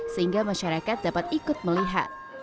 sehingga masyarakat dapat ikut melihat